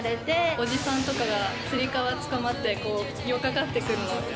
おじさんとかがつり革つかまってよっかかってくるのが。